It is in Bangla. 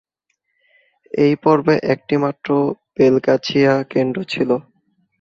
এই পর্বে একটিমাত্র বেলগাছিয়া কেন্দ্র ছিল।